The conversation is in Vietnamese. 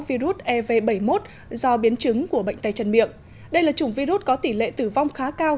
virus ev bảy mươi một do biến chứng của bệnh tay chân miệng đây là chủng virus có tỷ lệ tử vong khá cao